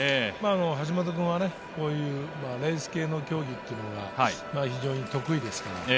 橋本君はこういうレース系の競技、非常に得意ですから。